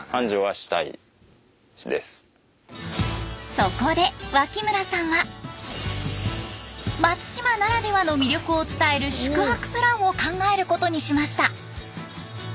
そこで脇村さんは松島ならではの魅力を伝える宿泊プランを考えることにしました。